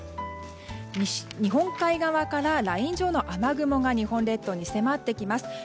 日本海側からライン状の雨雲が迫ってきます。